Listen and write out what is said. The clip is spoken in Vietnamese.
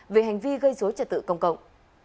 về hành vi gây dối trật tự công cộng